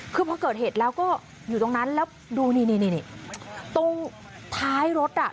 คือพอเกิดเหตุแล้วก็อยู่ตรงนั้นแล้วดูนี่ตรงท้ายรถอ่ะ